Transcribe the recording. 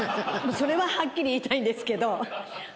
それははっきり言いたいんですけど。